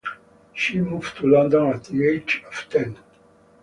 She moved to London at the age of ten.